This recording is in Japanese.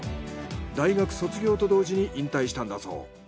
大学卒業と同時に引退したんだそう。